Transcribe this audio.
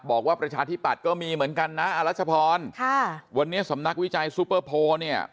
บอกว่าประชาธิบัติก็มีเหมือนกันนะอรัชพรวันนี้สำนักวิจัยซุปเปอร์โพล